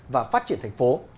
và phát triển thành phố